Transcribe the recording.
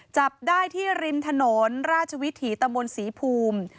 จับได้ที่ริมถนนราชวิถีตะมนต์ศรีภูมิ